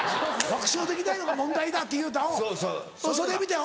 「爆笑できないのが問題だ」って言うたおうそれ見て？